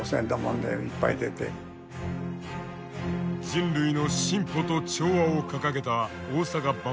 「人類の進歩と調和」を掲げた大阪万博。